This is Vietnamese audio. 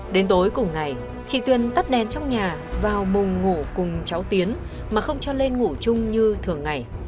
đến tối cùng ngày chị tuyền tắt đèn trong nhà vào mùng ngủ cùng cháu tiến mà không cho lên ngủ chung như thường ngày